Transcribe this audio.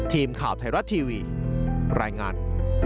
ทีมข่าวไทยรัฐทีวีรายงาน